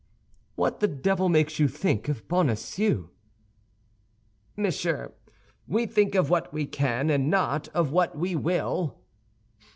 "What the devil makes you think of Bonacieux?" "Monsieur, we think of what we can, and not of what we will."